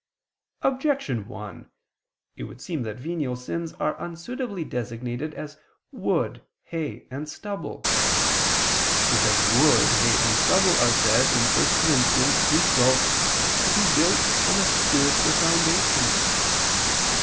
Objection 1: It would seem that venial sins are unsuitably designated as "wood, hay, and stubble." Because wood, hay, and stubble are said (1 Cor. 3:12) to be built on a spiritual foundation.